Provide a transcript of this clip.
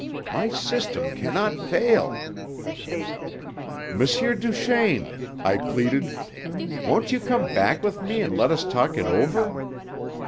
My system cannot fail!" "M. Duchaine," I pleaded, "won't you come back with me and let us talk it over?